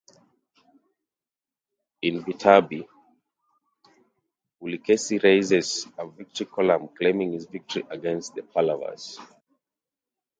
In Vatapi, Pulikesi raises a victory column claiming his victory against the Pallavas.